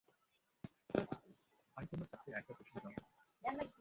High তোমার কাছে একটা প্রশ্ন ডন।